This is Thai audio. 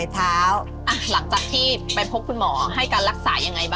เท่ากัน